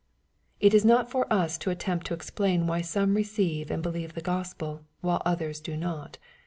'' It is not for us to attempt to explain why some receive and believe the Gospel, while others do not.